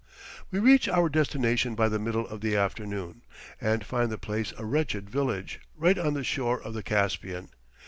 We reach our destination by the middle of the afternoon, and find the place a wretched village, right on the shore of the Caspian.